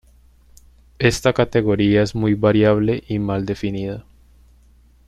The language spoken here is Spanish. Esta categoría es muy variable y mal definida.